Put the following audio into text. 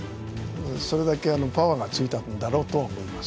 それだけパワーがついたんだろうと思います。